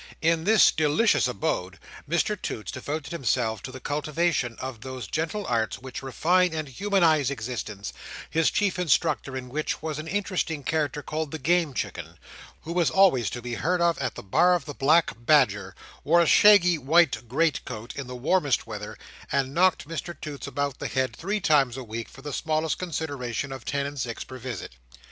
In this delicious abode, Mr Toots devoted himself to the cultivation of those gentle arts which refine and humanise existence, his chief instructor in which was an interesting character called the Game Chicken, who was always to be heard of at the bar of the Black Badger, wore a shaggy white great coat in the warmest weather, and knocked Mr Toots about the head three times a week, for the small consideration of ten and six per visit.